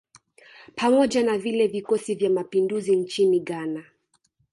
Pamoja na vile vikosi vya mapinduzi nchini Ghana